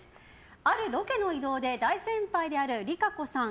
あるロケの移動で大先輩であるＲＩＫＡＣＯさん